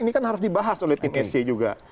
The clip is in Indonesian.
ini kan harus dibahas oleh tim sc juga